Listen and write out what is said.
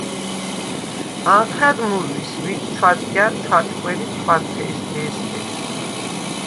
ანჴა̈დ მურვის, ვიჯ ჩვადგა̈რ, ჩვაჭკვერ ი ცხვადთე̄სგ’ე̄სდე.